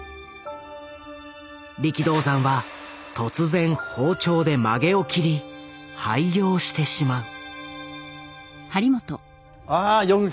力道山は突然包丁で髷を切り廃業してしまう。